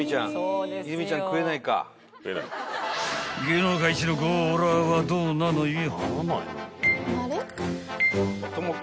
［芸能界一のゴーラーはどうなのよ］